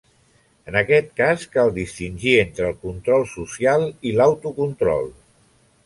En aquest cas cal distingir entre el control social i l'autocontrol.